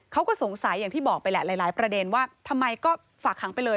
เขาก็สงสัยอย่างที่บอกไปแหละหลายประเด็นว่าทำไมก็ฝากขังไปเลย